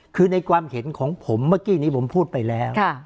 คือในความเห็นของผมเมื่อกี้นี้ผมพูดไปแล้ว